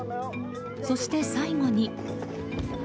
そして、最後に。